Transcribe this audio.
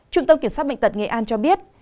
trung tâm kiểm soát bệnh tật nghệ an cho biết